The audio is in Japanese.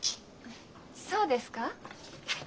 そうですか？